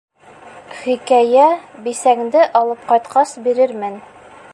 Хикәйә Бисәңде алып ҡайтҡас бирермен.